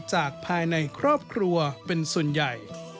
จากภายในครอบครัวเป็นส่วนใหญ่